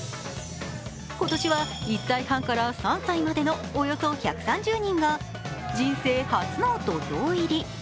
今年は１歳半から３歳までのおよそ１３０人が人生初の土俵入り。